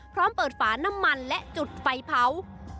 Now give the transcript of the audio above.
พร้อมเปิดฝาน้ำมันและจุดไฟเผา